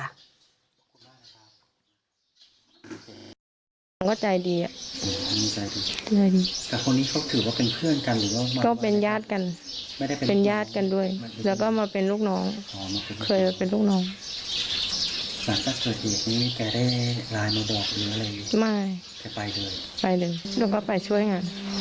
อ่าอยากจะขอโทษอะไรก็อย่างนี้ดีกว่าไม่รู้จริง